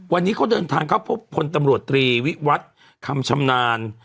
วันนี้เขาเดินทางเข้าพบพลตำรวจตรีวิวัตรคำชำนาญ